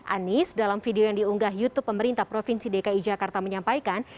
anies dalam video yang diunggah youtube pemerintah provinsi dki jakarta menyampaikan